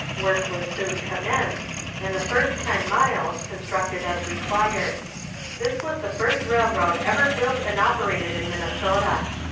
Work was soon commenced, and the first ten miles constructed as required. This was the first railroad ever built and operated in Minnesota.